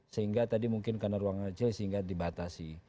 sehingga tadi mungkin karena ruangan kecil sehingga dibatasi